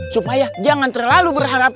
supaya jangan terlalu berharap